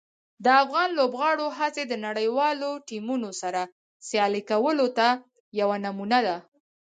د افغان لوبغاړو هڅې د نړیوالو ټیمونو سره سیالي کولو ته یوه نمونه ده.